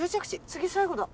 次最後だ。